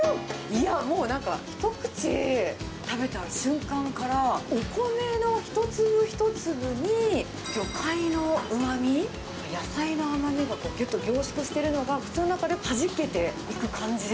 いや、もうなんか、一口食べた瞬間からお米の一粒一粒に魚介のうまみ、野菜の甘みがぎゅっと凝縮しているのが口の中ではじけていく感じ